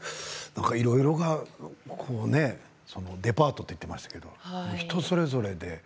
いろいろなデパートと言っていましたけれど人それぞれで。